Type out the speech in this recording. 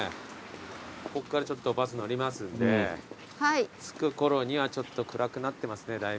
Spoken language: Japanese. こっからちょっとバス乗りますんで着くころにはちょっと暗くなってますねだいぶ。